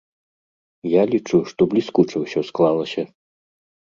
Я лічу, што бліскуча ўсё склалася.